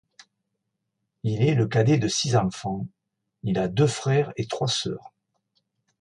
Il est le cadet de six enfants, il a deux frères et trois sœurs.